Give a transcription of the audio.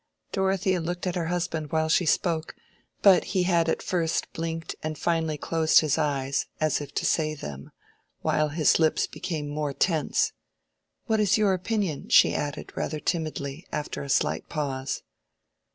Dorothea looked at her husband while she spoke, but he had at first blinked and finally closed his eyes, as if to save them; while his lips became more tense. "What is your opinion?" she added, rather timidly, after a slight pause.